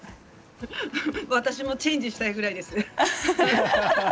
私もチェンジしたいぐらいです。